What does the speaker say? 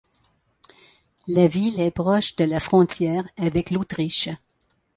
La ville est proche de la frontière avec l’Autriche.